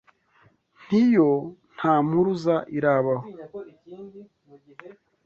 N’iyo nta mpuruza irabaho